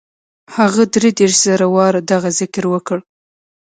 هغه دري دېرش زره واره دغه ذکر وکړ.